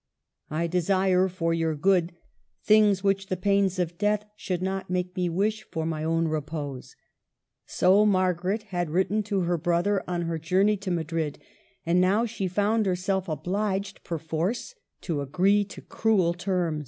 " I desire, for your good, things which the pains of death should not make me wish for my own repose." So Margaret had written to her brother on her journey to Madrid ; and now she found herself obliged perforce to agree to cruel term?.